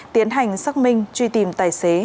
tiến hành xác minh truy tìm tài xế